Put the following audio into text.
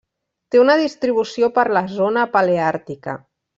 Té una distribució per la zona Paleàrtica: